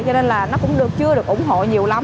cho nên là nó cũng chưa được ủng hộ nhiều lắm